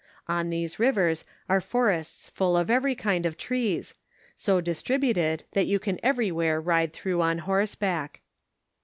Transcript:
On these rivers are forests full of every kind of trees, so distributed that you can everywhere ride through on horseback.